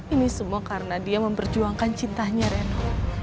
ini semua karena dia memperjuangkan cintanya reno